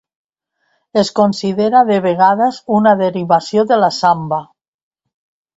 Es considera de vegades una derivació de la samba.